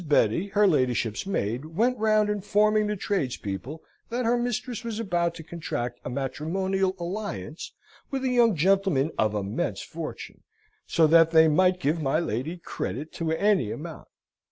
Betty, her ladyship's maid, went round informing the tradespeople that her mistress was about to contract a matrimonial alliance with a young gentleman of immense fortune; so that they might give my lady credit to any amount.